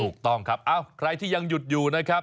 ถูกต้องครับใครที่ยังหยุดอยู่นะครับ